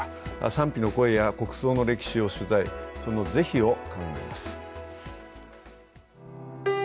賛否の声や国葬の歴史を取材、その是非を考えます。